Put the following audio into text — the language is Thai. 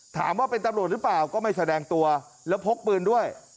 ถามว่าเป็นตำรวจหรือเปล่าก็ไม่แสดงตัวแล้วพกปืนด้วย